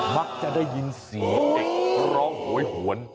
มักจะได้ยินเสียงเด็กร้องโหยหวน